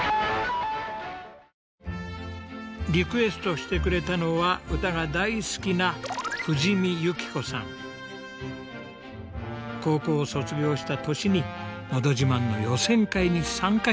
リクエストしてくれたのは歌が大好きな高校を卒業した年に「のど自慢」の予選会に参加したんです。